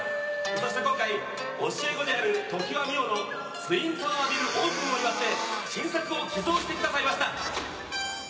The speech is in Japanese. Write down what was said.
そして今回教え子である常磐美緒のツインタワービルオープンを祝って新作を寄贈してくださいました。